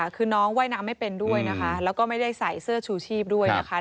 คือน้องว่ายน้ำไม่เป็นด้วยนะคะแล้วก็ไม่ได้ใส่เสื้อชูชีพด้วยนะคะ